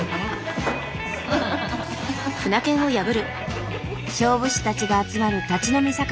勝負師たちが集まる立ち飲み酒場に３日間。